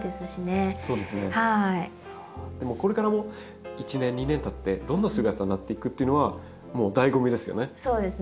でもこれからも１年２年たってどんな姿になっていくっていうのはもう醍醐味ですよね。